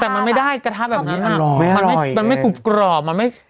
แต่มันไม่ได้กระทะแบบนั้นอ่ะมันไม่กรุบกรอบมันไม่